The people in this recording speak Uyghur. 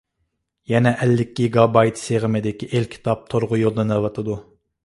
يەنە ئەللىك گىگابايت سىغىمدىكى ئېلكىتاب تورغا يوللىنىۋاتىدۇ.